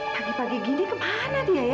pagi pagi gini kemana dia ya